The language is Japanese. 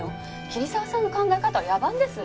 桐沢さんの考え方は野蛮です。